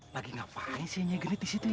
lagi ngapain si tante genit disitu ya